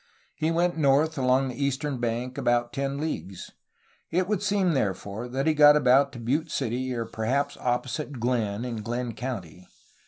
He went north along the eastern bank about ten leagues. It would seem therefore that he got about to Butte City or perhaps opposite Glenn in Glenn County.